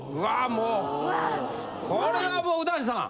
もうこれはもう右團次さん。